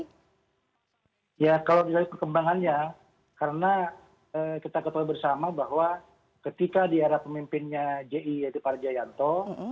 ya kalau dari perkembangannya karena kita ketahui bersama bahwa ketika di arah pemimpinnya ji yaitu pak wijayanto